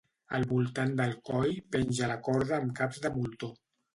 Al voltant del coll penja la corda amb caps de moltó.